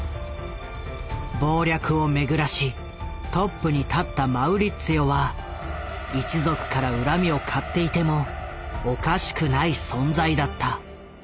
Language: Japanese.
謀略を巡らしトップに立ったマウリッツィオは一族から恨みを買っていてもおかしくない存在だった。